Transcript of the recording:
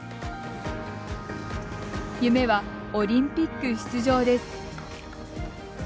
夢はオリンピック出場です。